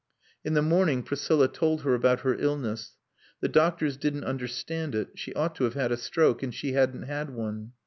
In the morning Priscilla told her about her illness. The doctors didn't understand it. She ought to have had a stroke and she hadn't had one.